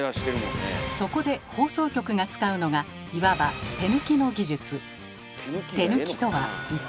そこで放送局が使うのがいわば「手抜き」の技術。